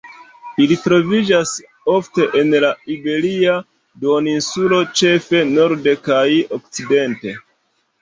Ili troviĝas ofte en la Iberia Duoninsulo ĉefe norde kaj okcidente.